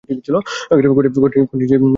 করিম সেই বিশেষ কক্ষে উপস্থিত ছিলেন।